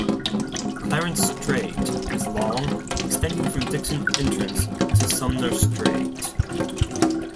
Clarence Strait is long, extending from Dixon Entrance to Sumner Strait.